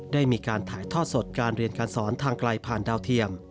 ได้มีการถ่ายทอดสดการเรียนการสอนทางไกลผ่านดาวเทียม